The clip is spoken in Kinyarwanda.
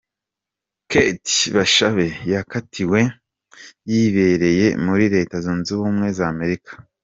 Kate Bashabe yakatiwe yibereye muri Leta Zunze Ubumwe za Amerika.